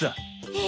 え！